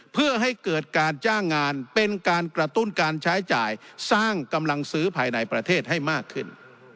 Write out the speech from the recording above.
เพื่อให้เกิดการจ้างงานเป็นการกระตุ้นการใช้จ่ายสร้างกำลังซื้อภายในประเทศให้มากขึ้น